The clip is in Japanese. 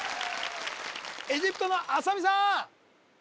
エジプトのあさみさん